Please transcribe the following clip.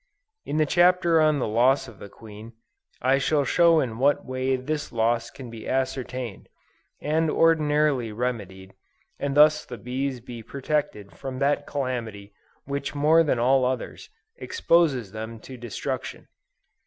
In the Chapter on the Loss of the Queen, I shall show in what way this loss can be ascertained, and ordinarily remedied, and thus the bees be protected from that calamity which more than all others, exposes them to destruction.